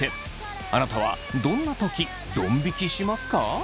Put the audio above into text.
あなたはどんなときどん引きしますか？